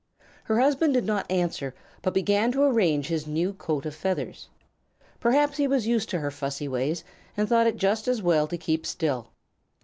Her husband did not answer, but began to arrange his new coat of feathers. Perhaps he was used to her fussy ways and thought it just as well to keep still.